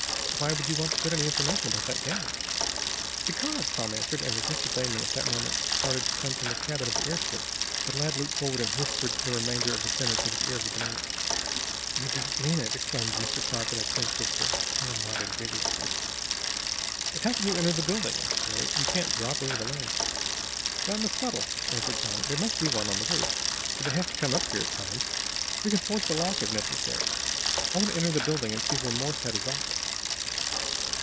"But why do you want to get any information about that gang?" "Because," answered Tom, and, as Mr. Damon at that moment started to come from the cabin of the airship, the lad leaped forward and whispered the remainder of the sentence into the ear of the balloonist. "You don't mean it!" exclaimed Mr. Sharp, in a tense whisper. Tom nodded vigorously. "But how can you enter the building?" asked the other. "You can't drop over the edge." "Down the scuttle," answered Tom. "There must be one on the roof, for they have to come up here at times. We can force the lock, if necessary. I want to enter the building and see where Morse had his office."